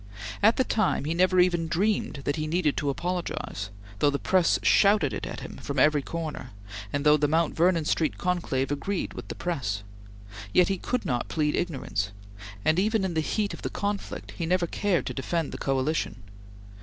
At the time he never even dreamed that he needed to apologize, though the press shouted it at him from every corner, and though the Mount Vernon Street conclave agreed with the press; yet he could not plead ignorance, and even in the heat of the conflict, he never cared to defend the coalition.